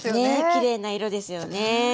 きれいな色ですよね。